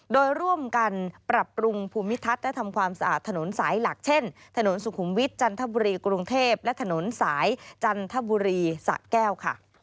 โดยร่วมกันปรับปรุงภูมิทัศน์และทำความสะอาดถนนสายหลักเช่นถนนสุขุมวิทย์จันทบุรีกรุงเทพและถนนสายจันทบุรีสะแก้วค่ะ